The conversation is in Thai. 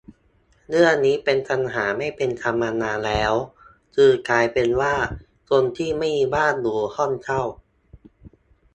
เรื่องนี้เป็นปัญหาไม่เป็นธรรมมานานแล้ว คือกลายเป็นว่า คนที่ไม่มีบ้าน อยู่ห้องเช่า